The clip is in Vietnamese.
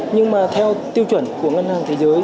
nhưng mà theo tiêu chuẩn của ngân hàng thế giới